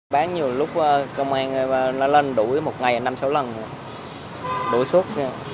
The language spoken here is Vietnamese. bán nhiều lúc công an lên đuổi một ngày năm sáu lần đuổi suốt